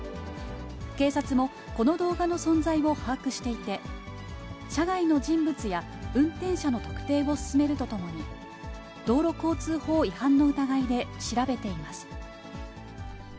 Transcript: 警察も、この動画の存在を把握していて、車外の人物や運転者の特定を進めるとともに、道路交通法違反の疑いで調べています。